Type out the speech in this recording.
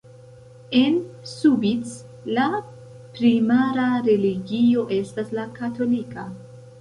En Subic la primara religio estas la katolika.